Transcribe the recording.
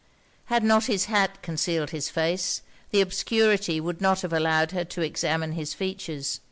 Had not his hat concealed his face, the obscurity would not have allowed her to examine his features.